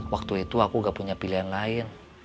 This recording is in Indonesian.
waktu itu aku gak punya pilihan lain